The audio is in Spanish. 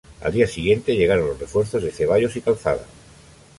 Al día siguiente llegaron los refuerzos de Ceballos y Calzada.